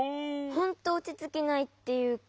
ほんとおちつきないっていうか。